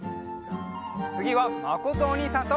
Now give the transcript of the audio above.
つぎはまことおにいさんと！